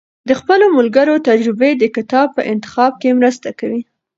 د خپلو ملګرو تجربې د کتاب په انتخاب کې مرسته کوي.